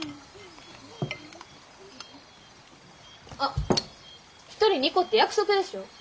あっ１人２個って約束でしょ。